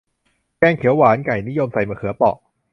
แกงเขียวหวานไก่ นิยมใส่มะเขือเปาะ